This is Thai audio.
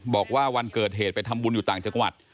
บอกว่าวันเกิดเหตุไปทำบุญอยู่ต่างจังหวัด